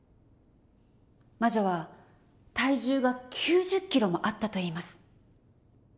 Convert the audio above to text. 魔女は体重が９０キロもあったといいます。